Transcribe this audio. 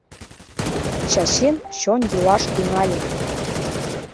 Чачин чон йӱлаш тӱҥале.